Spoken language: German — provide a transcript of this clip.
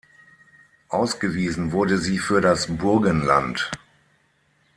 Ausgewiesen wurde sie für das Burgenland.